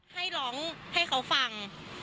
ให้ร้องให้เขาฟัง